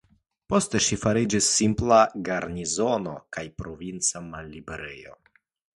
Poste ĝi fariĝis simpla garnizono kaj provinca malliberejo.